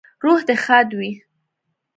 روح دې ښاد وي